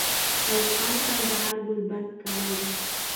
ایوب خان کندهار قلابند کړی دی.